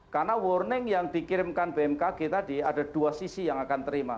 karena warning yang dikirimkan bmkg tadi ada dua sisi yang akan terima